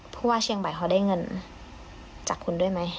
ว่าเชียงใหม่เขาได้เงินจากคุณด้วยไหม